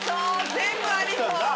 全部ありそう！